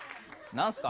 何すか？